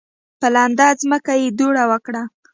په لنده ځمکه یې دوړه وکړه.